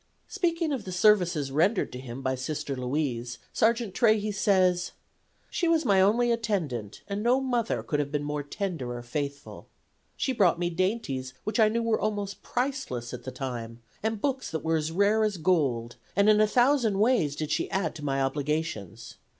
Speaking of the services rendered him by Sister Louise Sergeant Trahey says: "She was my only attendant, and no mother could have been more tender or faithful. She brought me dainties which I knew were almost priceless at the time, and books that were as rare as gold, and in a thousand ways did she add to my obligations.